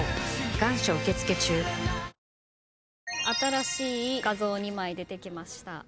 新しい画像２枚出てきました。